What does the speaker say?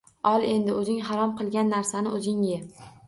– Ol endi, o‘zing harom qilgan narsani o‘zing ye!